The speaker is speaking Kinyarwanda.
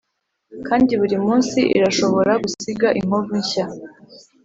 kandi burimunsi irashobora gusiga inkovu nshya.